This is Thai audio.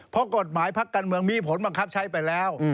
เพราะกฎหมายพักการเมืองมีผลบังคับใช้ไปแล้ว